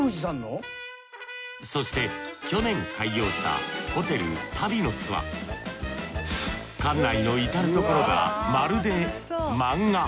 そして去年開業したホテルタビノスは館内の至る所がまるで漫画。